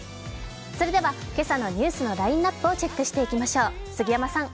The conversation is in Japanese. それでは今朝のニュースのラインナップをチェックしていきましょう。